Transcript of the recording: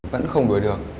vẫn không đuổi được